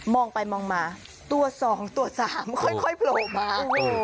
องไปมองมาตัว๒ตัว๓ค่อยโผล่มา